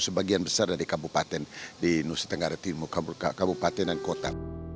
sebagian besar dari kabupaten di nusa tenggara timur kabupaten dan kota